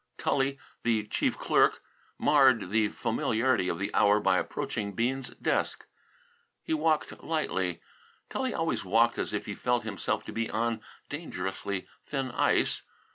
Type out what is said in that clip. Tully, the chief clerk, marred the familiarity of the hour by approaching Bean's desk. He walked lightly. Tully always walked as if he felt himself to be on dangerously thin ice.